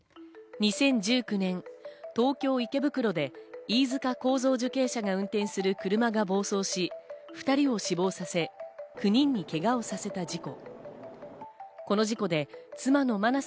２０１９年、東京・池袋で飯塚幸三受刑者が運転する車が暴走し、２人を死亡させ、９人にけがをさせた事故。